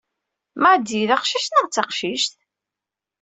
Nady d aqcic neɣ d taqcict?